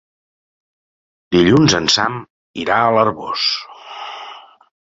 Dilluns en Sam irà a l'Arboç.